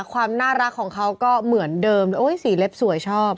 ความน่ารักของเขาก็เหมือนเดิมโอ้ยสีเล็บสวยชอบ